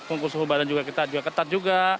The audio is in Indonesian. pengukur suhu badan kita juga ketat juga